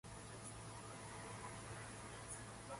She voiced Wonder Woman in the video game and its sequel.